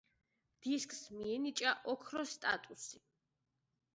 დისკს მიენიჭა ოქროს სტატუსი.